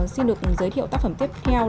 xin được giới thiệu tác phẩm tiếp theo